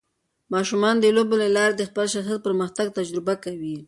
ماشومان د لوبو له لارې د خپل شخصیت پرمختګ تجربه کوي.